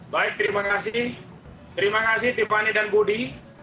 baik terima kasih terima kasih tiffany dan budi